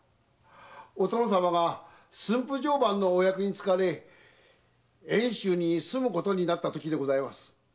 お殿様が駿府定番のお役に就かれ遠州に住むことになったときでございます。